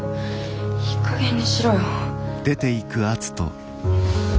いいかげんにしろよ。